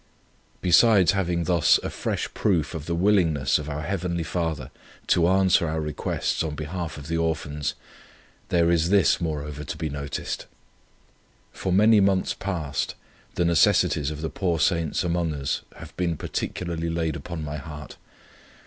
Besides having thus a fresh proof of the willingness of our Heavenly Father to answer our requests on behalf of the Orphans, there is this, moreover, to be noticed. For many months past, the necessities of the poor saints among us have been particularly laid upon my heart.